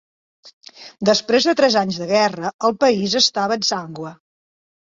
Després de tres anys de guerra, el país estava exsangüe.